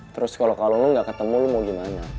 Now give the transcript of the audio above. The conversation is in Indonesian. terus kalau lo gak ketemu lo mau gimana